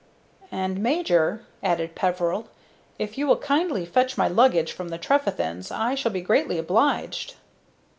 "And, major," added Peveril, "if you will kindly fetch my luggage from the Trefethen's I shall be greatly obliged."